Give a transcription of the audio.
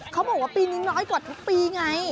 เขาบอกว่าปีนี้น้อยกว่าทุกปีไง